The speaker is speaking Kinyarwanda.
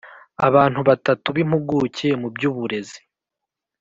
abantu batatu b impuguke mu by uburezi